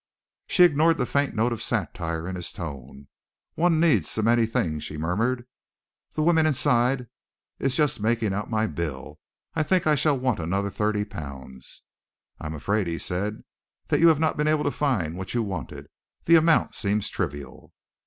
She ignored the faint note of satire in his tone. "One needs so many things," she murmured. "The woman inside is just making out my bill. I think I shall want another thirty pounds." "I am afraid," he said, "that you have not been able to find what you wanted. The amount seems trivial."